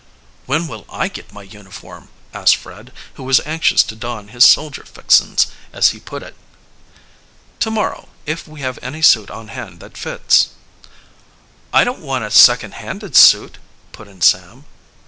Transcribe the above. "When will I get my uniform?" asked Fred, who was anxious to don his "soldier fixings," as he put it. "Tomorrow, if we have any suit on hand that fits." "I don't want a second handed suit," put in Sam.